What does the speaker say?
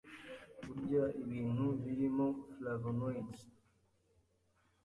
kurya ibintu birimo flavonoïdes